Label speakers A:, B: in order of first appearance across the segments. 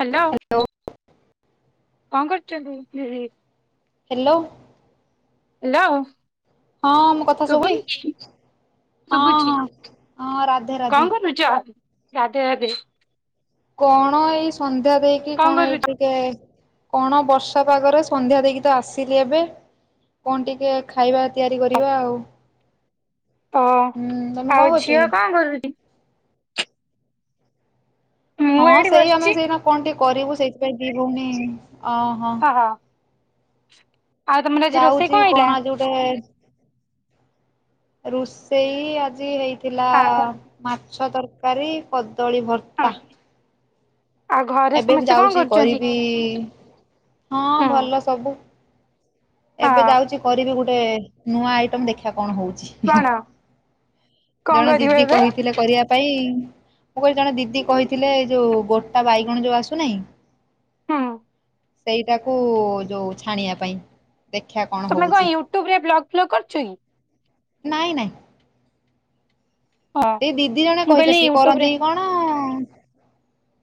A: Hello. କଣ କରୁଚନ୍ତି ଦିଦି?
B: ହ୍ୟାଲୋ।
A: ହ୍ୟାଲୋ।
B: ହଁ ମୋ କଥା ସୁବୁଚି।
A: ଶୁଭୁନି କି?
B: ହଁ
A: ଶୁଭୁଛି
B: ହଁ ହଁ ରାଧେ ରାଧେ।
A: କଣ କରୁଛ? ରାଧେ ରାଧେ।
B: କଣ ଏଇ ସନ୍ଧ୍ୟା ଦେଇକି କଣ ଏଇଠି କେ କଣ ବର୍ଷା ପାଗରେ ସନ୍ଧ୍ୟା ଦେଇକି ତ ଆସିଲି ଏବେ। କଣ ଟିକେ ଖାଇବା ତିଆରି କରିବା ଆଉ।
A: ଓ
B: ହୁଁ ତମେ କଣ
A: ଆଉ
B: କରୁଛ କି?
A: ଝିଅ କଣ କରୁଚି? ମୁଁ
B: ହଁ
A: ଏଇଠି
B: ସେଇ ଆମେ
A: ବସିଛି।
B: ସେଇନା କଣ ଟିକେ କରିବୁ ସେଇଥିପାଇଁ ଦି ଭଉଣି ଅହଁ।
A: ହଁ ଆଉ ତମର ଆଜି ରୋଷେଇ
B: ଯାଉଛି
A: କଣ ହେଇଥିଲା?
B: ରୁଷେଇ ଆଜି ହେଇଥିଲା
A: ହଁ
B: ମାଛ ତରକାରୀ କଦଳୀ ଭର୍ତ
A: ହଁ। ଆଉ ଘରେ
B: ଏବେ ବି
A: ସମସ୍ତେ କଣ
B: ଯାଉଛି
A: କରୁଛନ୍ତି?
B: କରିବି
A: ହୁଁ
B: ହଁ ଭଲ ସବୁ। ଏବେ
A: ହଁ
B: ଯାଉଚି କରିବି ଗୋଟେ ନୂଆ ଆଇଟମ୍ ଦେଖିଆ କଣ ହଉଚି। ହୁ
A: କଣ କଣ
B: ଜଣେ
A: କରିବ
B: ଦିଦି
A: ଏବେ?
B: କହିଥିଲେ କରିବା ପାଇଁ ମୁଁ କହିଲି ଜଣେ ଦିଦି କହିଥିଲେ ଯୋଉ ଗୋଟା ବାଇଗଣ ଯୋଉ ଆସୁନାହିଁ
A: ହଁ।
B: ସେଇଟାକୁ ଯୋଉ ଛାଣିବା ପାଇଁ। ଦେଖିଆ କଣ
A: ତମେ
B: ହଉଛି
A: କଣ ୟୁଟ୍ୟୁବରେ୍ ବ୍ଲଗ ଫ୍ଲଗ କରୁଛ କି?
B: ନାଇଁ ନାଇଁ।
A: ହଁ
B: ସେଇ ଦିଦି ଜଣେ
A: ମୁଁ
B: କହିଥିଲା
A: କହିଲି
B: ସିଏ
A: ୟୁଟ୍ୟୁବ ରେ
B: କରନ୍ତି କି କଣ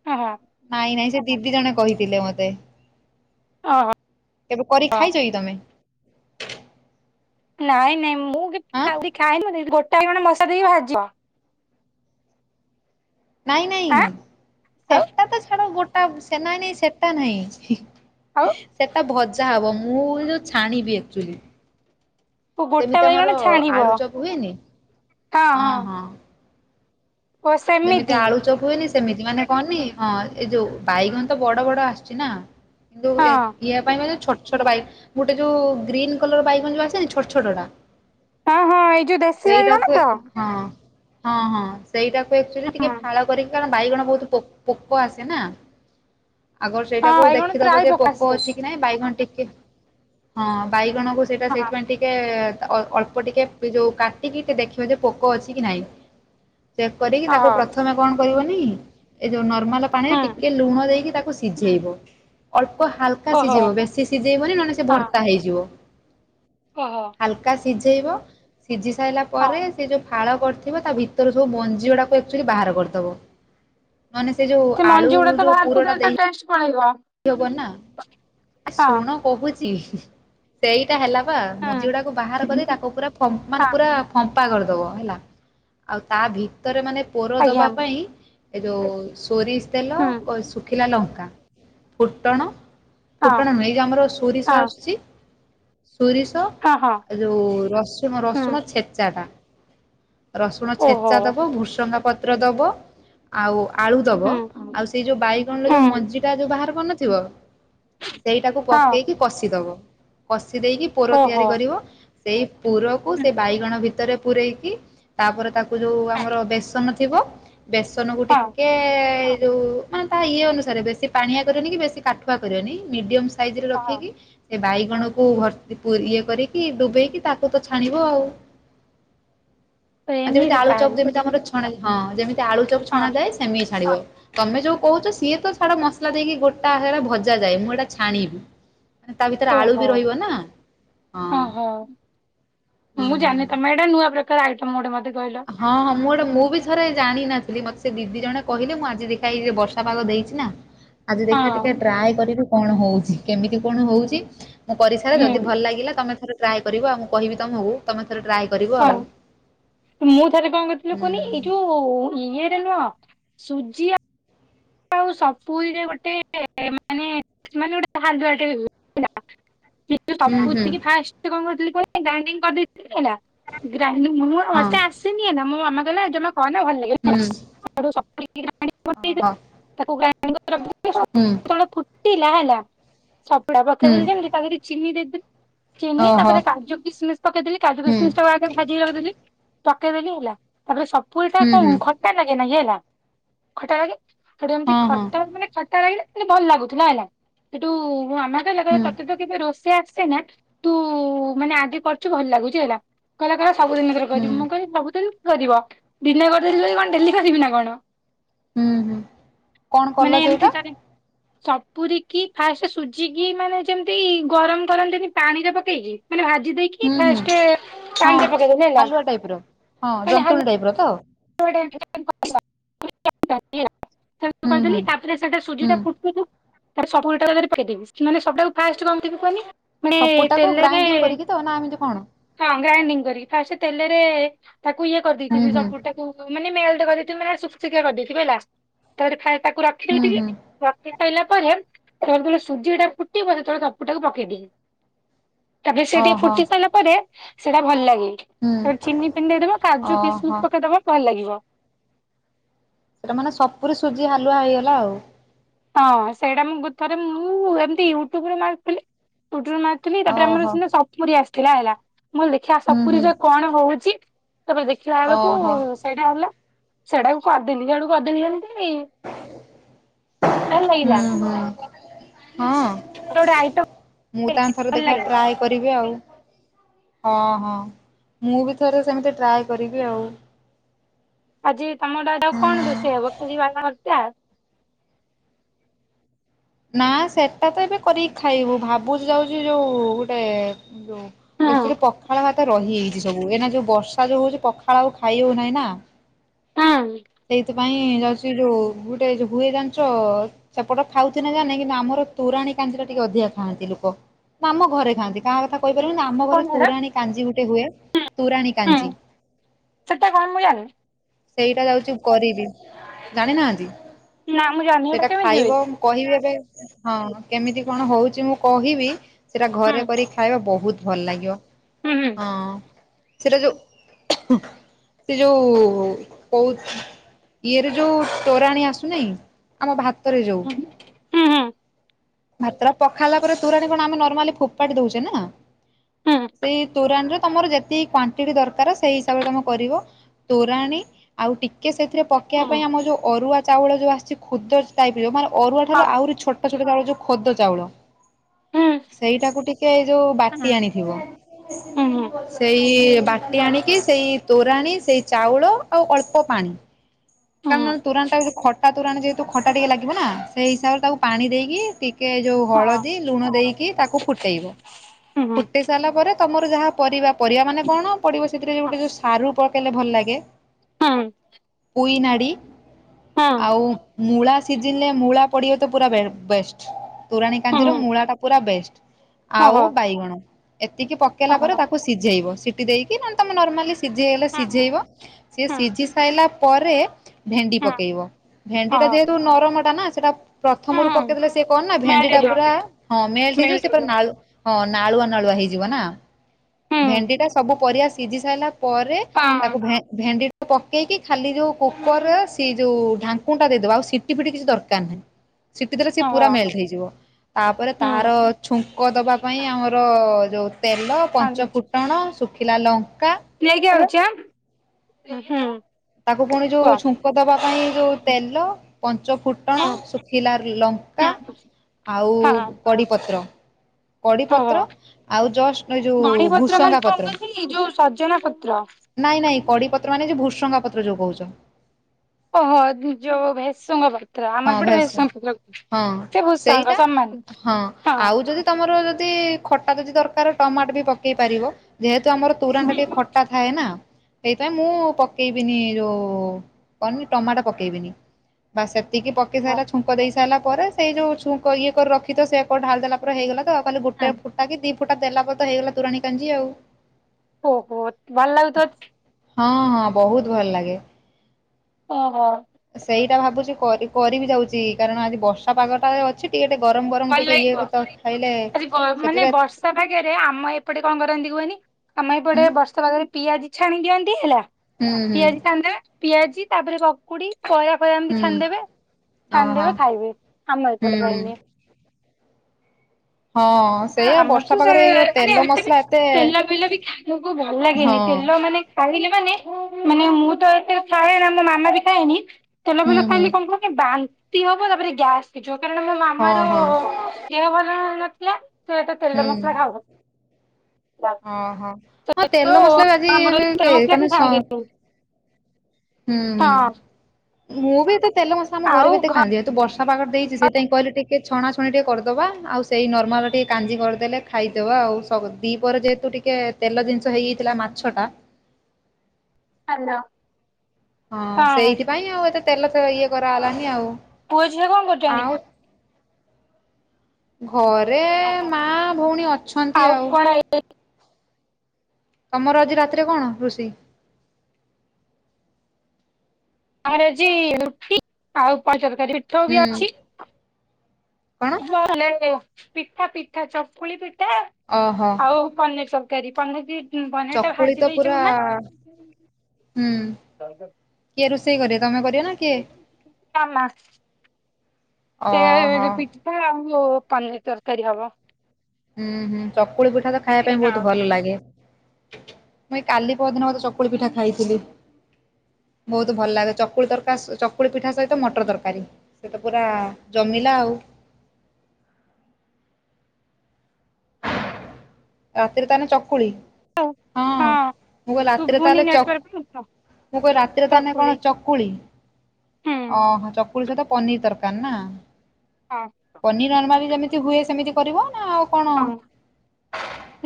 A: ହଁ ହଁ
B: ନାଇଁ ନାଇଁ ସେ ଦିଦି ଜଣେ କହିଥିଲେ ମତେ।
A: ଅହ।
B: କେବେ କରିକି ଖାଇଛ କି ତମେ?
A: ନାଇଁ ନାଇଁ ମୁଁ
B: ଆଁ
A: [inaudible] ଖାଇନି ଗୋଟାେ ମଶଲା ଦେଇକି ଭାଜିବ?
B: ନାଇଁ ନାଇଁ
A: ଆଁ ଆଉ
B: ସେଟା ତ ଛାଡ ଗୋଟା ସେ ନାଇଁ ନାଇଁ ସେଟା ନାଇଁ ହି।
A: ଆଉ?
B: ସେଟା ଭଜା ହବ ମୁଁ ଯୋଉ ଛାଣିବି ଆକ୍ଚୁଆଲି।
A: ଗୋଟା
B: ଯେମିତି
A: ବାଇଗଣ
B: ଆମର
A: ଛାଣିବ
B: ଆଳୁଚପ ହୁଏନି ହିଁ ହଁ।
A: ଓ
B: ଯେମିତି
A: ସେମିତି
B: ଆଳୁ ଚପ୍ ହୁଏନି ସେମିତି ମାନେ କହନି, ହଁ ଏଇ ଯୋଉ ବାଇଗଣ ତ ବଡ ବଡ ଆସିଛି ନା। କିନ୍ତୁ
A: ହଁ
B: ଏ ଇଆ ପାଇଁ ମୋତେ ଛୋ ଛୋଟ ବାଇ, ଗୋଟେ ଯୋଉ ଗ୍ରୀନ୍ କଲର୍ ବାଇଗଣ ଯୋଉ ଆସେନି ଛୋଟ ଛୋଟ ଟା।
A: ହଁ ହଁ ଏଇ ଯୋଉ ଦେଶୀ ବାଇଗଣ
B: ସେଇଟାକୁ ଏ
A: ତ
B: ହଁ ହଁ, ହଁ ସେଇଟାକୁ ଏକ୍ଚୁଲି
A: ହଁ
B: ଟିକେ ଫାଳ କରିକି କାରଣ ବାଇଗଣ ବହୁତ ପୋ-ପୋକ ଆସେ ନା। ଆଗର
A: ହଁ
B: ସେଇଟାକୁ
A: ବାଇଗଣ
B: ଦେଖିଦବ
A: ପ୍ରାୟ
B: ଯେ ପୋକ
A: ପକାସେ
B: ଅଛି କି ନାଇଁ ବାଇଗଣ ଟିକେ ହଁ ବାଇଗଣକୁ ସେଇଟା
A: ହଁ
B: ସେଇଥିପାଇଁ ଟିକେ ଅ- ଅଳ୍ପ ଟିକେ ପି-ଯୋଉ କାଟିକି ଟିକେ ଦେଖିବ ଯେ ପୋକ ଅଛି କି ନାଇଁ। କରିକି ତାକୁ
A: ଓହୋ
B: ପ୍ରଥମେ କଣ କରିବନି ଏ ଯୋଉ ନର୍ମାଲ ପାଣିରେ
A: ହୁଁ
B: ଟିକେ ଲୁଣ ଦେଇକି ତାକୁ ସି ସିଝେଇବ ଅଳ୍ପ ହାଲ କା
A: ଓହୋ
B: ସିଝେଇବ ବେଶି ସିଜେଇବନି ନନେ ସେ
A: ହଁ
B: ଭର୍ତ୍ତା ହେଇଯିବ।
A: ଓହୋ
B: ହାଲ କା ସିଝେଇବ, ସିଝି ସାଇଲା
A: ହଁ
B: ପରେ ସେ ଯୋଉ ଫାଳ କରିଥିବ ତା ଭିତରୁ ସବୁ ମଞ୍ଜ ଜି ଗୁଡାକ ଏକ୍ଚୁଲି ବାହାର କରିଦବ। ମାନେ ସେ ଯୋଉ ଆଳୁ
A: ମଞ୍ଜି ଗୁଡା ତ
B: ଯୋଉ
A: ବାହାର
B: ପୁରଟା
A: କରିଦେଲେ ତା
B: ଦେଇ
A: ଟେଷ୍ଟ କରିବା।
B: ଦବ ନା, ଶୁଣ କହୁଛି। ସେଇଟା ହେଲା ପା
A: ହୁଁ
B: ମଞ୍ଜି ଗୁଡାକୁ ବାହାର କରି ତାକୁ ପୁରା ଫମ୍ପ ମାନେ
A: ହଁ
B: ପୁରା ଫମ୍ପା କରିଦବ ହେଲା, ଆଉ ତା ଭିତରେ ମାନେ ପୋର
A: ଆଜ୍ଞା
B: ଦବା ପାଇଁ ଏ ଯୋଉ ସୋରିଷ ତେଲ
A: ହୁଁ
B: କ- ଶୁଖିଲା ଲଙ୍କା ଫୁଟଣ
A: ହଁ
B: ଫୁଟଣ ନୁହେଁ ଏଇ ଯେ ଆମର ସୁରିଷ
A: ହଁ
B: ଆସୁଛି, ସୁରିଷ
A: ହଁ, ହଁ।
B: ଏ ଯୋଉ ରସୁଣ
A: ହୁଁ
B: ରସୁଣ ଛେଚା ଟା। ରସୁଣ
A: ଓହୋ
B: ଛେଚା ଦବ ଭୃଷୁଙ୍ଗା ପତ୍ର ଦବ। ଆଉ ଆଳୁ ଦବ
A: ହୁଁ
B: ଆଉ ସେଇ ଯୋଉ ବାଇଗଣର ଯୋଉ
A: ହୁଁ
B: ମଞ୍ଜି ଟା ଯୋଉ ବାହାର କରିନଥିବ। ସେଇଟାକୁ
A: ହଁ
B: ପକେଇକି କଷିଦବ, କଷି ଦେଇକି ପୋର ତିଆରି
A: ଓହୋ
B: କରିବ। ସେଇ ପୁରକୁ ସେଇ ବାଇଗଣ ଭିତରେ ପୂରେଇକି। ତାପରେ ତାକୁ ଯୋଉ ଆମର ବେସନ ଥିବ। ବେସନ କୁ
A: ହଁ
B: ଟିକେ ଏ ଯୋଉ ମାନେ ତା ଇଏ ଅନୁସାରେ ବେଶୀ ପାଣିଆ କରିବନି କି ବେଶୀ କାଠୁଆ କରିବନି ମିଡିୟମ୍ ସାଇଜ ରେ
A: ହଁ
B: ରଖିକି। ଏ ବାଇଗଣକୁ ଭର୍ତ୍ତି ପୁ-ଇଏ କରିକି ଡୁବେଇକି ତାକୁ ତ ଛାଣିବ ଆଉ।
A: [inaudible]
B: ଆଉ ଯେମିତି
A: ଏମିତି
B: ଆଳୁ ଚପ୍
A: ତାହେଲେ
B: ଯେମିତି ଆମର ଛ ହଁ ଯେମିତି ଆଳୁ ଚପ୍
A: ହଁ
B: ଛଣାାଯାଏ ସେମିତି ଛାଣିବ। ତୋମେ ଯୋଉ କହୁଚ ସିଏ ତ ଛାଡ ମସ ସଲା ଦେଇକି ଗୋଟା ସେଟା ଭଜାଯାଏ, ମୁଁ ଏଇଟା ଛାଣିବି। ମାନେ ତା ଭିତରେ ଆଳୁ
A: ଓହୋ
B: ବି ରହିବ ନା, ହଁ, ହୁଁ।
A: ତୋମେ ଏଟା ନୂଆ ପ୍ରକାର ଆଇଟମ୍ ଗୋଟେ ମୋତେ କହିଲ।
B: ହଁ, ହଁ ମୁଁ ଏଟା, ମୁଁ ବି ଥରେ ଜାଣିିନଥିଲି ମୋତେ ସେ ଦିଦି ଜଣେ କହିଲେ, ମୁଁ ଆଜି ଦେଖା ଏଇ ଯେ ବର୍ଷା ପାଗ ଦେଇଛି ନା। ଆଜି
A: ହଁ
B: ଦେଖିଆ ଟିକେ ଟ୍ରାଏ କରିବି କଣ ହଉଛି କେମିତି କଣ ହଉଛି। ମୁଁ କରିସାରେ, ଯଦି
A: ହୁଁ
B: ଭଲ ଲାଗିଲା ତୋମେ ଥରେ ଟ୍ରାଏ କରିବ ଆଉ, ମୁଁ କହିବି ତୋମକୁ ତୋମେ ଥରେ ଟ୍ରାଏ କରିବ
A: ହଁ
B: ଆଉ।
A: ମୁଁ ଥରେ କଣ କରିଥିଲି
B: ହୁଁ
A: କୁହନି ଏଇ ଯୋଉ ଇଏରେ ନୁହଁ ସୁଜି ଆ ଆଉ ସପୁରୀ ରେ ଗୋଟେ ମାନେ ମାନେ ଗୋଟେ ହାଲୁଆ ଟେ [inaudible] ହେଲା। [inaudible] ଚି [unintelligible]
B: ହୁଁ ହୁଁ
A: ସପୁରୀ କି ଫାଷ୍ଟ କଣ କରିଥିଲି କୁହନି? ଗ୍ରାଇଣ୍ଡିଙ୍ଗ କରିଦେଇଥିଲି ହେଲା ଗ୍ରାଇଣ୍ଡିଙ୍ଗ ମୁଁ ନୂଆ ଓ
B: ହଁ
A: ମୋତେ ଆସିନି ହେଲା ମୋ ମାମା କହିଲା ଜମା କରନା ଭଲ ଲାଗିବ
B: ହୁଁ।
A: ତାକୁ ସପୁରୀ କି ଗ୍ରାଇଣ୍ଡିଙ୍ଗି କରିଦେଇଚି, ତାକୁ ଗ୍ରାଇଣ୍ଡିଙ୍ଗ କରି ରଖିଦେଇ [unintelligible]
B: ହୁଁ।
A: କଣ ଫୁଟିଲା ହେଲା ସପୁରା ପକେଇଦେଲି ଯେମିତି ତାପରେ ଚିନି ଦେଇଦେଲି। ଚିନି
B: ଓହୋ
A: ତାପରେ କାଜୁ କିସମିସ୍ ପକେଇଦେଲି କାଜୁ
B: ହୁଁ ହୁଁ ଓହୋ ହୁଁ
A: କିସମିସ ଟା ଆଗେ ଭାଜିିକୁ ରଖିଦେଲି। ପକେଇଦେଲି ହେଲା ତାପରେ ସପୁରି ଟା
B: ହୁଁ ହୁଁ
A: କଣ ଖଟା ଲାଗେ ନା ହେଲା ଖଟା ଲାଗେ। ସେଠୁ ଏମତି
B: ହଁ ହଁ।
A: ଖଟା ମାନେ ଖଟା ଲାଗିଲା ଭଲ ଲାଗୁଥିଲା ହେଲା। ସେଠୁ ମୋ ମାମା କହିଲା
B: ହୁଁ
A: ତତେ ତ କେବେ ରୋଷେଇ ଆସେ ନା। ତୁ ମାନେ ଆଜି କରିଛୁ ଭଲ ଲାଗୁଚି ହେଲା। କଲା କହିଲା ସବୁଦିନ ଏଥର
B: ହୁଁ
A: କରିବୁ। ମୁଁ କହିଲି ସବୁ ଦିନ କିଏ କରିବ ଦିନେ କରିଦେଲିବୋଲି କଣ ଡେଲି କରିବି ନା କଣ।
B: ହୁଁ, ହୁଁ। କଣ କଲ
A: ମାନେ ଏମତି
B: ସେଇଟା
A: ଟାରେ ସପୁୁରିକି ଫାଷ୍ଟ ସୁଜିକି ମାନେ ଯେମତି ଗରମ କରନ୍ତି ନି ଯେମିତି ପାଣି ରେ ପକେଇକି ମାନେ ଭାଜି ଦେଇକି
B: ହୁଁ
A: ପକେଇକି
B: ହୁଁ।
A: ଫାଷ୍ଟେ
B: ହଁ
A: ପାଣିରେ ପକେଇ ଦବ ହେଲା ମାନେ ହାଲକା
B: ରହିବ ତ
A: [unintelligible] ମୁଁ
B: ହୁଁ ହୁଁ।
A: କହିଦେଲି ତାପରେ ସେଇଟା ସୁଜି
B: ହୁଁ
A: ଟା ଫୁଟୁ ଫୁଟୁ ତାର ସପୁରି ଟାରେ ପକେଇଦେବି ମାନେ ସପୁରି ଫାଷ୍ଟକଣ ଦେବି କୁହନି। ମାନେ
B: ସପୁରଟାକୁ ଗ୍ରାଇଡିଙ୍ଗ
A: ତେଲରେ
B: କରିକି ତ ନା ଏମିତି କଣ?
A: ହଁ ଗ୍ରାଇଣ୍ଡିଙ୍ଗ କରିକି ଫାଷ୍ଟେ ତେଲରେ ତାକୁ ଇଏ
B: ହୁଁ
A: କରିଦେଇଥିବେ
B: ହୁଁ
A: ସପୁରି ତାକୁ ମାନେ ମେଲଟ କରିଦେଇଥିବି ମାନେ ଶୁଖସୁଖିଆ କରିଦେଇଥିବି ହେଲା ତାପରେ ତାକୁ
B: ହୁଁ
A: ରଖିଦେଇକରି
B: ହୁଁ
A: କି ରଖି ସାରିଲା ପରେ ଯେତେ ବେଳେ ସୁଜି ଟା ଫୁଟିିବ ସେତେବେଳେ ସପୁଟାକୁ ପକେଇଦିଏ। ତାପରେ ସେ ଟିକେ
B: ଓହୋ
A: ଫୁଟି ସାରିଲା ପରେ ସେଟା ଭଲ ଲାଗେ। ତ
B: ହୁଁ
A: ଚିନି ଫିନି ଦେଇଦେବ କାଜୁ କିସମିସ
B: ଓହୋ।
A: ପକେଇଦବ ଭଲ ଲାଗିବ।
B: ସେଟା ମାନେ ସପୁରି ସୁଜି ହାଲୁଆ ହେଇଗଲା ଆଉ।
A: ହଁ ସେଇଟା ମୁଁ ଥରେ ମୁଁ ଏମିତି ୟୁଟ୍ୟୁବରେ ମାରୁଥିଲି ୟୁଟ୍ୟୁବ ମାରି ତାପରେ ଆମର
B: ଓହୋ
A: ସେଦିନ ସପୁରୀ ଆସିଥିଲା ହେଲା ମୁଁ ଦେଖିବା
B: ହୁଁ ହୁଁ।
A: ସପୁରୀରେ କଣ ହଉଛି ତାପରେ ଦେଖ ଦେଖିଲା ବେଳକୁ
B: ଓହୋ
A: ସେଇଟା ହେଲା ସେଇଟାକୁ କରିଦେଲିି ସେଟା କୁ କରିଦେଲି କେମିତି
B: ହୁଁ, ହୁଁ। ହଁ,
A: ଗୋଟେ ଗୋଟେ ଆଇଟମ
B: ମୁଁ ତାଙ୍କର
A: ଭଲ
B: ଦେଖିଆ
A: ଲାଗେନି।
B: ଟ୍ରାଏ କରିବି ଆଉ ହଁ, ହଁ, ମୁଁ ବି ଥରେ ସେମତି ଟ୍ରାଏ କରିବି ଆଉ।
A: ଆଜି ତମ ଦାଦା କଣ
B: ହୁଁ।
A: ରୋଷେଇ ହବ ଖାଲି ବାଇଗଣ ଭରତା।
B: ନା ସେଟା ତ ଏବେ କରିକି ଖାଇବୁ ଭାବୁଛି ଯାଉଛି ଯୋଉ ଗୋଟେ ଯୋଉ
A: ହଁ
B: ଏଥିରେ ପଖାଳ ଭାତ ରହିଯାଇଚି। ସବୁ ଏଇନା ଯୋଉ ବର୍ଷା ଯୋଉ ହଉଛି ପଖାଳ ଆଉ ଖାଇ ହଉନାହିଁ ନା
A: ହୁଁ
B: ସେଇଥି ନାଇଁ ଯାଉଛି ଯୋଉ ଗୋଟେ ଯୋଉ ହୁଏ ଜାଣିଛ ସେପଟ ଖାଉ ସେ କଥା ଜାଣିନି ଆମର ତୋରାଣୀ କାଞ୍ଜି ଟିକେ ଅଧିକା ଖାଆନ୍ତି ଲୋକ ନା ଆମ ଘରେ ଖାଆନ୍ତି କାହା କଥା କହିପାରିବି ନି ଆମ ଘରେ
A: କଣ ସେଟା
B: ତୁରାଣୀ କାଞ୍ଜି ଗୋଟେ ହୁଏ ତୁରାଣୀ କାଞ୍ଜି।
A: ହୁଁ ସେଟା କଣ ମୁଁ ଜାଣିନି।
B: ସେଇଟା ଯାଉଚି କରିବି ଜାଣିନାହାନ୍ତି
A: ନା ମୁଁ ଜାଣିନି ଏଇଟା
B: ସେଇଟା
A: କେମିତି ହୁଏ?
B: ଖାଇବ। କହିବେ ଏବେ ହଁ କେମିତି
A: ହୁଁ
B: କଣ ହଉଛି ମୁଁ କହିବି ସେଟା ଘରେ
A: ହୁଁ
B: କରିକି ଖାଇବ ବହୁତ ଭଲ ଲାଗିବ
A: ହୁଁ
B: ହଁ। ସେଟା ଯୋଉ ସେ ଯୋଉ କଉ ଇଏରେ ଯୋଉ ତୋରାଣି ଆସୁନାହିଁ ଆମ ଭାତରେ ଯୋଉ?
A: ହୁଁ, ହୁଁ।
B: ମାତ୍ର ପଖାଳା ପରେ ତୋରାଣି କଣ ଆମେ ନର୍ମାଲି ଫୋପାଡ଼ି ଦଉଚେ ନା।
A: ହୁଁ
B: ସେଇ ତୋରାଣି ରେ ତମର ଯେତିକି କ ଦରକାର ସେଇ ହିସାବରେ ତମେ କରିବ ତୋରାଣୀ ଆଉ ଟିକେ ସେଥିରେ ପ ପକେଇବା
A: ହୁଁ ହୁଁ
B: ପାଇଁ ଆମ ଯେଉଁ ଅରୁଆ ଚାଉଳ ଯୋଉ ଆସିଛି ଖୁଦ ଟାଇପି ର ମାନେ ଅରୁଆଠାରୁ
A: ହଁ
B: ଆହୁରି ଛୋଟ ଛୋଟ ଚାଉଳ ଯୋଉ ଖୁଦ ଚାଉଳ
A: ହୁଁ
B: ସେଇଟାକୁ ଟିକେ ଏ ଯୋଉ
A: ହୁଁ
B: ବାଟି ଆଣିଥିବ।
A: ହୁଁ
B: ସେଇ ବାଟି ଆଣିକି ସେଇ ତୋରାଣି ସେଇ ଚାଉଳ ଆଉ ଅଳ୍ପ ପାଣି।
A: ହୁଁ ହୁଁ
B: କାରଣ ତୁରଣଟା ଖଟା ତୁରାଣ ଯେହେତୁ ଖଟା ଟିକେ ଲାଗିବ ନା ସେଇ ହିସାବରେ ତାକୁ ପାଣି ଦେଇକିି। ଏଇ ଯୋଉ
A: ହଁ
B: ହଳଦୀ ଲୁଣ ଦେଇକି ତାକୁ ଫୁଟେଇବ
A: ହୁଁ ହୁଁ ହୁଁ
B: ଫୁଟେଇ ସାରିଲା ପରେ ତମର ଯାହା ପରିବା ପରିବା ମାନେ କଣ ପଡ଼ିବ ସେଥିରେ ଗୋଟେ ଯଉ ସାରୁ ପକେଇଲେ ଭଲ ଲାଗେ।
A: ହଁ।
B: ପୋଇନାଡ଼ି
A: ହୁଁ
B: ଆଉ ମୂଳା ସିଝିଲେ ମୂଳା ପଡ଼ିବ ତ ପୁରା ବେ ବେଷ୍ଟ। ତୋରାଣୀ କାଞ୍ଜିର ମୂଳାଟା ପୁରା ବେଷ୍ଟ ଆଉ
A: ଓହୋ
B: ବାଇଗଣ ଏତିକି ପକେଇଲା ପରେ
A: ଓହୋ
B: ତାକୁ ସିଝେଇବ ସିଟି ଦେଇକି ନହେଲେ ତମେ ନର୍ମାଲି ସିଝେଇଲେ
A: ହୁଁ
B: ସିଝେଇବ ସିଏ ସିଝି
A: ହୁଁ
B: ସାରିଲା ପରେ ଭେଣ୍ଡି
A: ହୁଁ
B: ପକେଇବ ଭେଣ୍ଡିଟା
A: ଓହୋ
B: ଯେହେତୁ ନରମଟା ନା ସେଟା
A: ହୁଁ
B: ପ୍ରଥମରୁ
A: ହୁଁ
B: ପକେଇଦେଲେ ସେ କଣ ନା
A: ମେଲ୍ଟ
B: ଭେଣ୍ଡିଟା
A: ହେଇଯିବ
B: ପୁରା ହଁ ମେଲଟ ହେଇଯିବ ସେ ପୁରା ନାଳୁ ହଁ ନାଳୁଆ ନାଳୁଆ ହେଇଯିବ ନା
A: ହୁଁ।
B: ଭେଣ୍ଡିଟା ସବୁ ପରିବା ସିଝି ସାରିଲା ପରେ।
A: ହଁ
B: ତାକୁ ଭେ ଭେଣ୍ଡି ପକେଇକି ଖାଲି ଯୋଉ କୁକର ସେ ଯୋଉ ଢାଙ୍କୁଣିଟା ଦେଇଦବ, ଆଉ ସିଟି ଫିଟି କିଛି ଦରକାର ନାହିଁ। ସିଟି ଦେଲେ ସିଏ ପୁରା
A: ହଁ
B: ମେଲଟ ହେଇଯିବ। ତାପରେ ତାର
A: ହୁଁ
B: ଛୁଙ୍କ ଦବା ପାଇଁ ଆମର ଯୋଉ ତେଲ ପଞ୍ଚ ଫୁଟଣ, ଶୁଖିଲା ଲଙ୍କା।
A: ନେଇକି ଆଉଛି ହାଁ ଉଁ, ହୁଁ।
B: ତାକୁ ପୁଣି ଯୋଉ ଛୁଙ୍କ ଦବା ପାଇଁ ଯୋଉ ତେଲ ପଞ୍ଚଫୁଟଣ, ଶୁଖିଲା ଲଙ୍କା ଆଉ
A: ହଁ
B: କଡ଼ିପତ୍ର।
A: ଓହୋ
B: କଡିପତ୍ର ଆଉ ଜଷ୍ଟ ଏ ଯୋଉ
A: ବଣି ପତ୍ର ମାନେ
B: ଭୁସଙ୍ଗା
A: କଣ
B: ପତ୍ର।
A: କହିଲି ଯୋଉ ସଜନା ପତ୍ର।
B: ନାଇଁ ନାଇଁ କଡିପତ୍ର ମାନେ ଭୃସଙ୍ଗା ପତ୍ର ଯୋଉ କହୁଛ।
A: ଓହ ଯୋଉ ଭେସଙ୍ଗା ପତ୍ର।
B: ହଁ
A: ଆମର ଏପଟେ
B: ଭେସ୍
A: ଭେଶୁଙ୍ଗା।
B: ହଁ
A: ସେ
B: ସେଇଟା
A: ଭୂଷଙ୍କ ସମାନ, ହଁ।
B: ଆଉ ଯଦି ତମର ଯଦି ଖଟା ଯଦି ଦରକାର ଟମାଟ ବି ପକେଇ ପାରିବ। ଯେହେତୁ ଆମର ତୋରାଣି ଟା ଟିକେ ଖଟା ଥାଏ ନା। ସେଇପାଇଁ ମୁଁ ପକେଇବିନି ଯୋଉ କଣ ଟମାଟୋ ପକେଇବିନି ବା ସେ ଟିକି ପକେଇ ସାରିଲା ଛୁଙ୍କ ଦେଇ ସାରିଲା ପରେ ସେଇ ଯେଉଁ ଛୁଙ୍କ ଇଏ କରି ରଖିଥିବ ତାକୁ ସେ କୁ ଢାଲିଦେଲା। ପୁରା ହେଇଗଲା ତ ଖାଲି ଗୋଟେ ଫୁଟା କି ଦି ଫୁଟା ଦେଲା ପରେ ହେଇଗଲା ତୋରାଣୀ କାଞ୍ଜି ଆଉ
A: ଓହୋ ଭଲ ଲାଗୁଥିବ ତ
B: ହଁ ବହୁତ ଭଲ ଲାଗେ।
A: ଅହ।
B: ସେଇଟା ଭାବୁଛି କରି କରିିବି ଯାଉଛି କାରଣ ଆଜି ବର୍ଷା ପାଗଟାଏ ଅଛି। ଟିକେ ଟିକେ ଗରମ ଗରମ
A: ଭଲ
B: ଟିକେ ଇଏ
A: ଲାଗିବ
B: ତ ଖାଇଲେ
A: ଆଜି ମାନେ
B: ସେଥିରେ
A: ବର୍ଷା ପାଗରେ ଆମ ଏ ଏପଟେ କଣ କରନ୍ତି କୁହନି ଆମ ଏପଟେ
B: ହୁଁ
A: ବର୍ ବର୍ଷା ପାଗରେ ପିଆଜି ଛାଣି ଦିଅନ୍ତି ହେଲା
B: ହୁଁ ହୁଁ
A: ପିଆଜି ଛାଣି ଦେବେ ପିଆଜି ତାପରେ ପକୁଡ଼ି। କଳା କଳା ଏମିତି
B: ହୁଁ
A: ଛାଣିଦେବେ
B: ଓହୋ
A: ଛାଣିଦେବେ ଖାଇବେ ଆମ ଏପଟେ
B: ହୁଁ
A: ଲାଇନ ରେ।
B: ହଁ।
A: ଆ
B: ସେଇଆ
A: ଆମର
B: ବର୍ଷା
A: ତ ସେ
B: ପାଗରେ ଏଇ ଯୋଉ
A: ମାନେ
B: ତେଲ
A: ଏମିତି କି
B: ମସଲା ଏତେ
A: ତେଲ ମେଲ ବି ଖାଇବାକୁ ଭଲ
B: ହଁ
A: ଲାଗେନି ତେଲ ମାନେ ଖାଇଲି ମାନେ ମାନେ ମୁଁ ତ ଏତେ ଖାଏନା ମୋ ମାମା ବି ଖାଏନି। ତେଲ
B: ହୁଁ
A: ଫେଲ
B: ହୁଁ
A: ଖାଇଲେ କଣ କ ବାନ୍ତି ହବ ତାପରେ ଗ୍ୟାସ୍ ହେଇଯିବ କାରଣ ମୋ
B: ହଁ
A: ମାମାର
B: ହଁ
A: ଦେହ ଭଲ ହେଇନଥିଲା ସେ ଏତେ ତେଲ ମସଲା ଖାଉ
B: ଅହ ହଁ
A: ତ
B: ତେଲ ମସଲା ବି ଆଜି
A: ଆମର ଏଠି ତେଲ
B: ଏବେ
A: ମସଲା କେହି
B: [unintelligible]
A: ଖାଆନ୍ତିନି
B: ହୁଁ ହୁଁ
A: ହଁ
B: ମୁଁ ବି ଏତେ ତେଲ ମସଲା ଆମ ଘରେ
A: ଆଉ
B: ବି ଏତେ
A: ଘ
B: ଖାଆନ୍ତି ତୁ ବର୍ଷ ବର୍ଷା ପାଗ ଦେଇଛି ସେଇଥିପାଇଁ କହିଲି ଟିକେ ଛଣାଛଣି ଟିକେ କରଦବା ଆଉ ସେଇ ନର୍ମାଲ ଟିକେ କାଞ୍ଜି କରିଦେଲେ ଖାଇଦବା ଆଉ ସ ଦି ପରେ ଯେହେତୁ ଟିକେ ତେଲ ଜିନିଷ ହେଇଯାଇଥିଲା ମାଛ ଟା।
A: ହାଲୋ।
B: ହଁ ସେଇଥିପାଇଁ ଆଉ ଏତେ ତେଲ ଇଏ କରାହଲାନି ଆଉ।
A: ପୁଅ ଝିଅ କଁ
B: ଆଉ
A: କରୁଛନ୍ତି?
B: ଘରେ ମା ଭଉଣୀ ଅଛନ୍ତି ଆଉ।
A: କଣ ଏ
B: ତମର ଆଜି ରାତିରେ କଣ ରୋଷୋଇ?
A: ଆମର ଆଜି ରୁଟି ଆଉ [unintelligible] ତରକାରୀ ପିଠଉ ବି
B: ହୁଁ
A: ଅଛି, [unintelligible]
B: କଣ
A: ତାହେଲେ ପିଠା ପିଠା ଚକୁଳି ପିଠା
B: ଅହ।
A: ଆଉ ପନିର ତରକାରୀ ପନିର କି
B: ଚକୁଳି ତ ପୁରା ହୁଁ। କିଏ ରୋଷେଇ କରିଏ ତମେ କରିବ ନା କିଏ?
A: [unintelligible] [unintelligible]
B: ଓହୋ
A: ପନିର ତରକାରୀ ହବ।
B: ହୁଁ ହୁଁ ଚକୁଳି ପିଠା ତ ଖାଇବା ପାଇଁ
A: ଏଇଆ
B: ବହୁତ ଭଲ ଲାଗେ। ମୁଏଇ କାଲି ପରଦିନ ବୋଧେ ଚକୁଳି ପିଠା ଖାଇଥିଲି। ବହୁତ ଭଲ ଲାଗେ, ଚକୁଳି ତରକା ଚକୁଳି ପିଠା ସହିତ ମଟର ତରକାରୀ। ସେ ତ ପୁରା ଜମିଲା ଆଉ। ରାତିରେ ତାହେଲେ ଚକୁଳି, ହଁ ମୁଁ କହିଲ ରାତିରେ
A: ଶୁଭୁନି
B: ତାହେଲେ ଚ
A: ନେଟୱାର୍କ ତ
B: ମୁଁ କହିଲି ରାତିରେ ତାନେ
A: ଚକୁଳି
B: କଣ ଚକୁଳି
A: ହୁଁ
B: ଅହୋ ଚକୁ କୁଳି ସହିତ ପନିର ତରକାର ନା।
A: ହଁ।
B: ପନିର ନର୍ମାଲ ଯେମିତି ହୁଏ ସେମିତି କରିବ ନା ଆଉ କଣ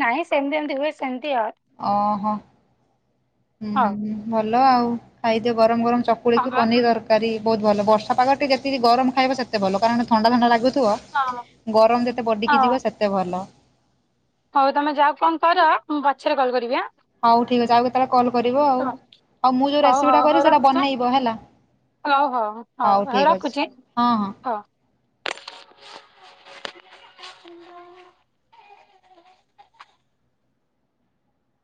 A: ନାଇଁ ସେମିତି ଏମତି ହୁଏ ସେମତି ଆ।
B: ଓହୋ
A: ହଉ
B: ହୁଁ, ଭଲ ଆଉ ଖାଇଦିଅ ଗରମ ଗରମ ଚ
A: ହଁ
B: କୁଳିକି
A: ବା
B: ପନିର ତରକାରୀ ବହୁତ ଭଲ ବର୍ଷା ପାଗଟି ଯେତିକି ଗରମ ଖାଇବ ସେତେ ଭଲ କାରଣ ଥଣ୍ଡା ଥଣ୍ଡା ଲାଗୁଥିବ
A: ହଁ
B: ଗରମ ଯେତେ ବଡିକି
A: ହଁ
B: ଯିବ ସେତେ ଭଲ।
A: ହଉ ତମେ ଯାଅ କଣ କର ମୁଁ ପଛରେ କଲ୍ କରିବି ଆ।
B: ହଉ ଠିକ୍ ଅଛି ଆଉ କେତେବେଳେ କଲ୍ କରିବ ଆଉ ଆଉ ମୁଁ ଯୋଉ
A: ହଉ
B: ରେସିପି
A: ହଉ
B: ଟା
A: ହଉ
B: କରିବି ସେଇଟା
A: ରଖୁଛି
B: ବନେଇବ ହେଲା।
A: ହଉ ହଉ ହଉ
B: ଠିକ୍ ଅଛି
A: ରଖୁଛି
B: ହଁ ହଁ।
A: ହଉ।